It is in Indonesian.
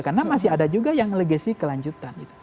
karena masih ada juga yang legasi kelanjutan